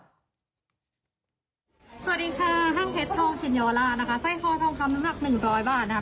สวัสดีค่ะห้างเพชรทองขินยอลานะคะไส้คอทองคำราคมึงรักหนึ่งร้อยบาทนะคะ